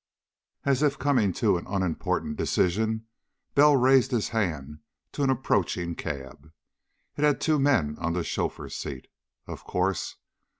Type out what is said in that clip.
As if coming to an unimportant decision, Bell raised his hand to an approaching cab. It had two men on the chauffeur's seat. Of course.